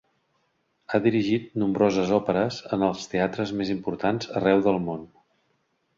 Ha dirigit nombroses òperes en els teatres més importants arreu del món.